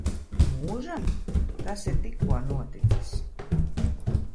Mūžam? Tas ir tikko noticis.